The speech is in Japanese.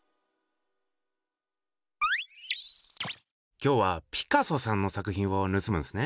きょうはピカソさんの作品をぬすむんすね。